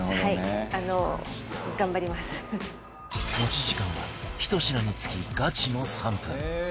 持ち時間は１品につきガチの３分